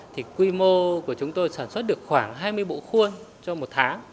thì quy mô của chúng tôi sản xuất được khoảng hai mươi bộ khuôn cho một tháng